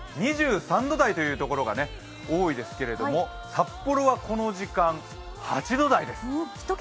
２３度台という所が多いですけれども、札幌はこの時間、８度台です。